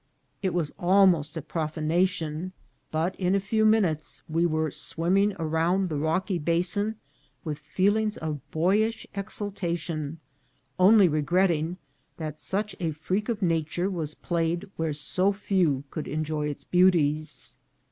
It was almost a profa nation, but in a few minutes we were swimming around the rocky basin with feelings of boyish exultation, only regretting that such a freak of nature was played where so few could enjoy its beauties.